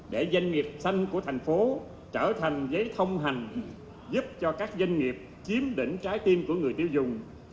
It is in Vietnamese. để doanh nghiệp xanh của thành phố trở thành giấy thông hành giúp cho các doanh nghiệp chiếm đỉnh trái tim của người tiêu dùng